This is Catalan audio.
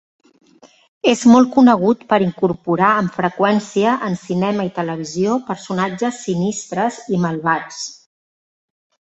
És molt conegut per incorporar amb freqüència en cinema i televisió personatges sinistres i malvats.